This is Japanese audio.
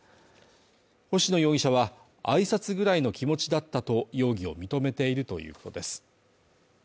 星野容疑者は、挨拶ぐらいの気持ちだったという容疑を認めているということです。